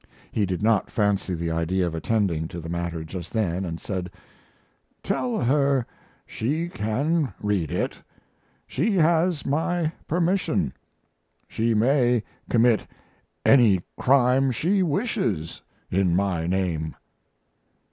He did not fancy the idea of attending to the matter just then and said: "Tell her she can read it. She has my permission. She may commit any crime she wishes in my name."